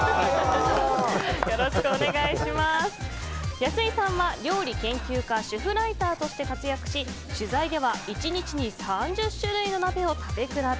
安井さんは料理研究家主婦ライターとして活躍し取材では１日に３０種類の鍋を食べ比べ。